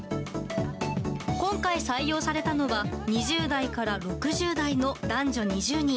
今回、採用されたのは２０代から６０代の男女２０人。